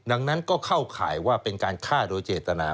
ดังนั้นก็เข้าข่ายว่าเป็นการฆ่าโดยเจตนา